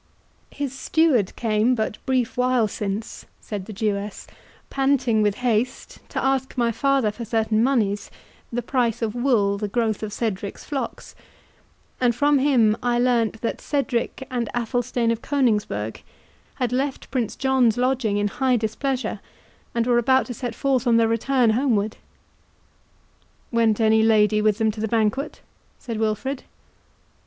"His steward came but brief while since," said the Jewess, "panting with haste, to ask my father for certain monies, the price of wool the growth of Cedric's flocks, and from him I learned that Cedric and Athelstane of Coningsburgh had left Prince John's lodging in high displeasure, and were about to set forth on their return homeward." "Went any lady with them to the banquet?" said Wilfred.